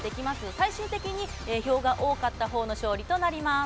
最終的に票が多かったほうの勝利となります。